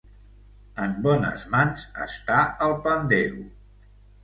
En bones mans està el pandero!